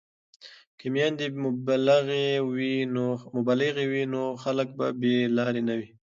که میندې مبلغې وي نو خلک به بې لارې نه وي.